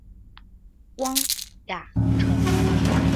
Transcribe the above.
汪亚尘。